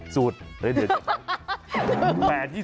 สูตรอะไร